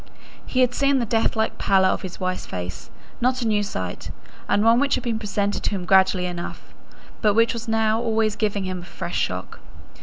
He had seen the death like pallor on his wife's face; not a new sight, and one which had been presented to him gradually enough, but which was now always giving him a fresh shock.